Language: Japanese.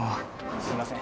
すいません。